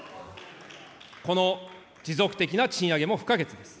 この持続的な賃上げも不可欠です。